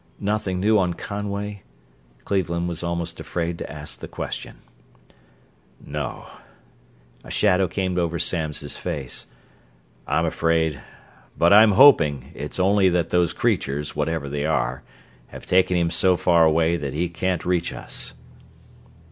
"Nothing new on Conway?" Cleveland was almost afraid to ask the question. "No." A shadow came over Samms' face. "I'm afraid ... but I'm hoping it's only that those creatures, whatever they are, have taken him so far away that he can't reach us."